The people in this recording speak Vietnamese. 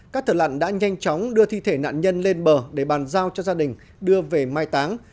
các thợ lặn đã nhanh chóng đưa thi thể nạn nhân lên bờ để bàn giao cho gia đình đưa về mai táng